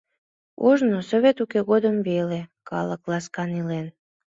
Ожно, Совет уке годым веле, калык ласкан илен.